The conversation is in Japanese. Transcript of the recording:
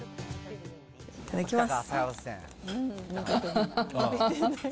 いただきます。